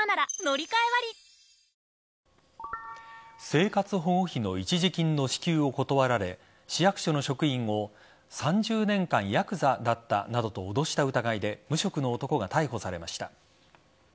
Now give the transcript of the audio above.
生活保護費の一時金の支給を断られ市役所の職員を３０年間、ヤクザだったなどと脅した疑いで無職の男が逮捕されました。